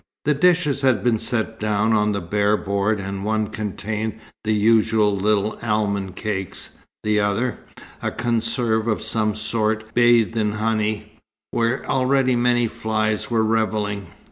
The dishes had been set down on the bare board, and one contained the usual little almond cakes, the other, a conserve of some sort bathed in honey, where already many flies were revelling.